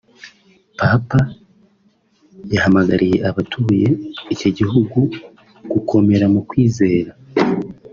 Papa yahamagariye abatuye iki gihugu ‘ gukomera mu kwizera